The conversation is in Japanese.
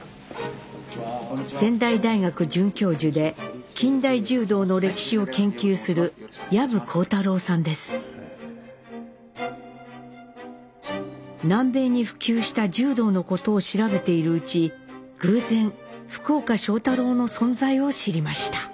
仙台大学准教授で近代柔道の歴史を研究する南米に普及した柔道のことを調べているうち偶然福岡庄太郎の存在を知りました。